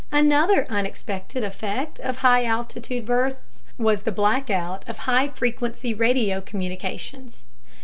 Another unexpected effect of high altitude bursts was the blackout of high frequency radio communications.